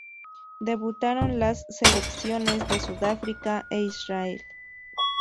Debutaron las selecciones de Sudáfrica e Israel.